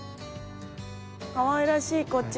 かわいらしいこっちも。